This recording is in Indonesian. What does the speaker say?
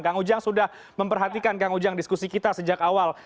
kang ujang sudah memperhatikan kang ujang diskusi kita sejak awal